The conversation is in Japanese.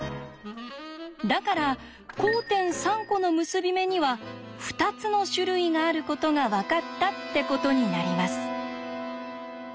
だから交点３コの結び目には２つの種類があることが分かったってことになります。